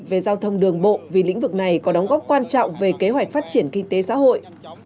về giao thông đường bộ vì lĩnh vực này có đóng góp quan trọng về kế hoạch phát triển kinh tế xã hội